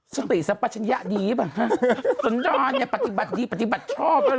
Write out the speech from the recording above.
สติสัมปัชญะดีป่ะสนตราเนี้ยปฏิบัติดีปฏิบัติชอบแล้วหรอ